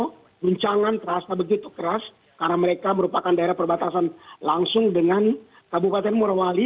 dan juga rencangan terasa begitu keras karena mereka merupakan daerah perbatasan langsung dengan kabupaten murawali